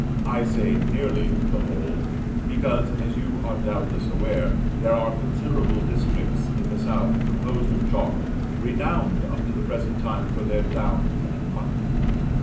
I say "nearly" the whole, because, as you are doubtless aware, there are considerable districts in the south composed of chalk renowned up to the present time for their downs and mutton.